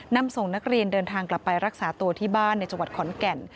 นำส่งนักเรียนเดินทางกลับไปรักษาตัวที่บ้านในจังหวัดขอนแก่น